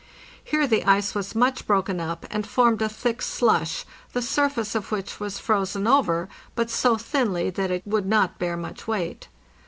Here the ice was much broken up, and formed a thick slush, the surface of which was frozen over, but so thinly that it would not bear much weight.